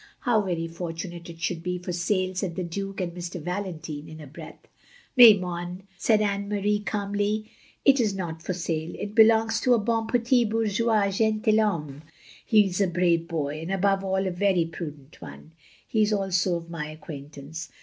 "How very fortunate it should be for sale," said the Duke and Mr. Valentine in a breath. " Mais non, " said Aime Marie, calmly, "it is not for sale. It belongs to a hon petit bourgeois gentiU homme. He is a brave boy, and above all a very prudent one. He is also of my acquaintance.